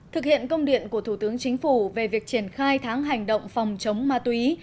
thực hiện công điện của thủ tướng chính phủ về việc triển khai tháng hành động phòng chống ma túy